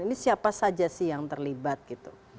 ini siapa saja sih yang terlibat gitu